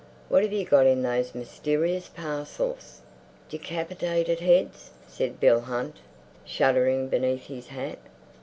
"What have you got in those mysterious parcels?" "De cap it ated heads!" said Bill Hunt, shuddering beneath his hat.